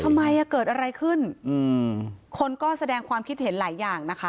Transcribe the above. ทำไมอ่ะเกิดอะไรขึ้นอืมคนก็แสดงความคิดเห็นหลายอย่างนะคะ